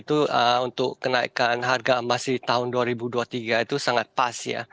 itu untuk kenaikan harga emas di tahun dua ribu dua puluh tiga itu sangat pas ya